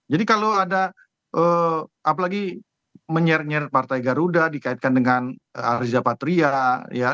jadi kalau ada apalagi menyer nyer partai garuda dikaitkan dengan arjadzapatria ya